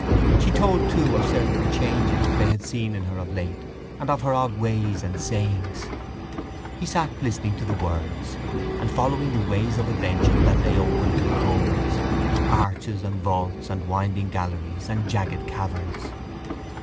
She told too of certain changes they had seen in her of late and of her odd ways and sayings. He sat listening to the words and following the ways of adventure that lay open in the coals, arches and vaults and winding galleries and jagged caverns.